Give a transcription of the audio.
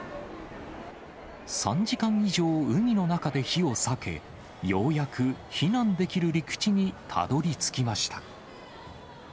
３時間以上海の中で火を避け、ようやく避難できる陸地にたどりつきました。